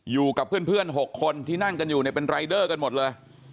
อยู่กับเพื่อน๖คนที่นั่งกันอยู่เนี่ยเป็นรายเดอร์กันหมดเลย